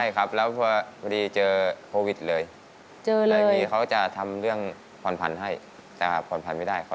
ยังไม่ได้ผ่อนสักเดือนเลยเหรอคะ